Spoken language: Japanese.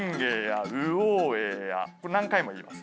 何回も言います。